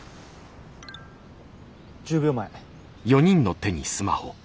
１０秒前。